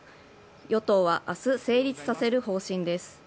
与党は明日、成立させる方針です。